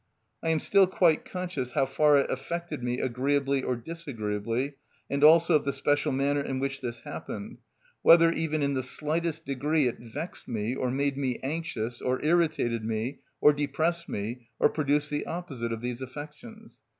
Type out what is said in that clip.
I am still quite conscious how far it affected me agreeably or disagreeably, and also of the special manner in which this happened, whether, even in the slightest degree, it vexed me, or made me anxious, or irritated me, or depressed me, or produced the opposite of these affections.